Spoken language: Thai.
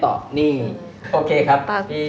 ตอนอ่ะครับ